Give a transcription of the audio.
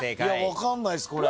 分かんないっすこれ。